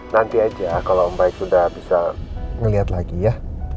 nanti aja kalo om baik sudah bisa ngeliat lagi ya